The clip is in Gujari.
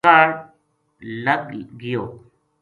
کاہڈ لگ گیو